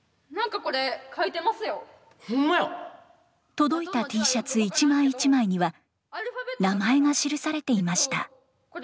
届いたＴシャツ一枚一枚には名前が記されていました。